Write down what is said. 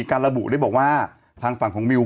การระบุได้บอกว่าทางฝั่งของมิว